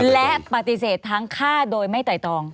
และปฏิเสธทั้งฆ่าโดยไม่ไต่ตอง